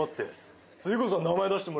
次こそは。